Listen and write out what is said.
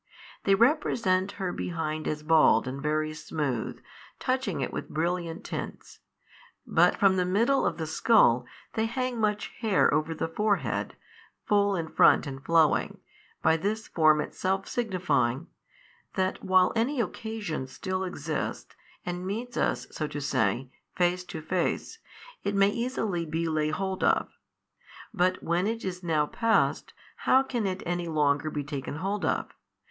They represent her behind as bald and very smooth, touching it with brilliant tints: but from the middle of the scull, they hang much hair over the forehead, full in front and flowing: by this form itself signifying, that while any occasion still exists, and meets us, so to say, face to face, it may easily be laid hold of, but when it is now passed, how can it any longer be taken hold of?